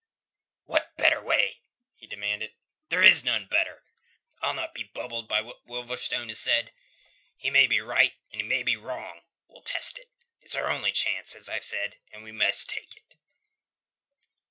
"What better way?" he demanded. "There is none better. I'll not be bubbled by what Wolverstone has said. He may be right, and he may be wrong. We'll test it. It's our only chance, I've said, and we must take it."